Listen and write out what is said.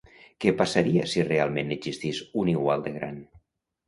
Què passaria si realment n'existís un igual de gran?